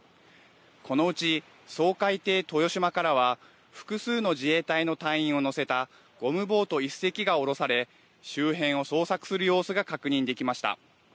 このうち掃海艇とよしまからは複数の自衛隊の隊員を乗せたゴムボート１隻が降ろされ周辺を捜索する様子が確認できました。